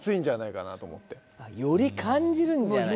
より感じるんじゃないか。